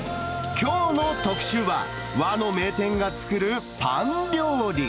きょうの特集は、和の名店が作るパン料理。